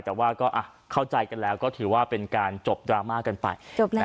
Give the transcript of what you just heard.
แต่ว่าก็เข้าใจกันแล้วก็ถือว่าเป็นการจบดราม่ากันไปจบแล้ว